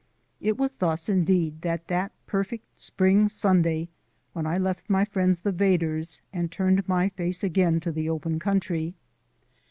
It was thus, indeed, with that perfect spring Sunday, when I left my friends, the Vedders, and turned my face again to the open country.